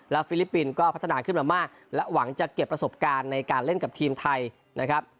ฟิลิปปินส์ก็พัฒนาขึ้นมามากและหวังจะเก็บประสบการณ์ในการเล่นกับทีมไทยนะครับ